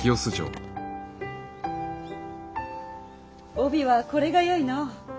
帯はこれがよいの。